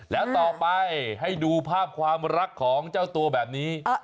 แล้วต่อไปให้ดูภาพความรักของเจ้าตัวแบบนี้